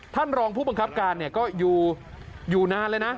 ท่านรองผู้บังคับการก็อยู่นานเลยนะ